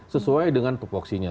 sesuai dengan peboksinya